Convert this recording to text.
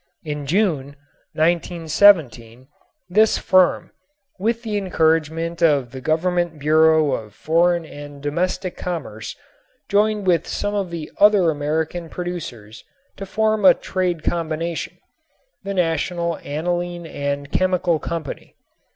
In June, 1917, this firm, with the encouragement of the Government Bureau of Foreign and Domestic Commerce, joined with some of the other American producers to form a trade combination, the National Aniline and Chemical Company.